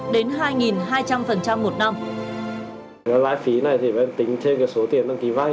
lãi phí này thì phải tính theo số tiền tăng ký vay